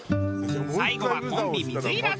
最後はコンビ水入らず。